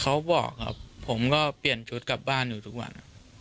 เขาบอกครับผมก็เปลี่ยนชุดกลับบ้านอยู่ทุกวัน